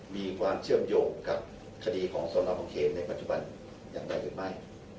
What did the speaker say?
มีความเชื่อมโยงกับคดีของสนบังเขตในปัจจุบันอย่างไรหรือไม่